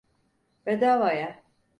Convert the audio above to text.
Bedavaya.